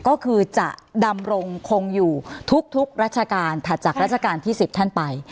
ก็คือจะดำรงคงอยู่ทุกราชการถัดจากราชการที่๑๐ท่านไป